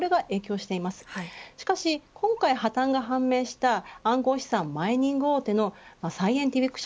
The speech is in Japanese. しかし今回破綻が判明した暗号資産マイニング大手のサイエンティフィック社